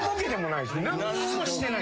何もしてない。